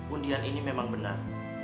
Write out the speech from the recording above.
undian ini memang benar